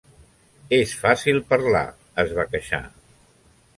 "És fàcil parlar", es va queixar.